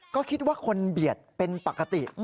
ก็คิดว่าคนเบียดเป็นปกติ